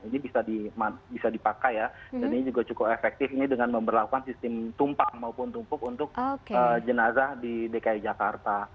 ini bisa dipakai ya dan ini juga cukup efektif ini dengan memperlakukan sistem tumpang maupun tumpuk untuk jenazah di dki jakarta